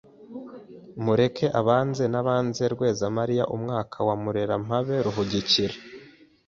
Mureke abanze Nabanze Rwezamaria Umwaka wa Murerampabe Ruhugukira